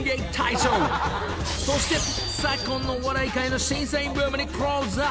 ［そして昨今のお笑い界の審査員ブームにクローズアップ］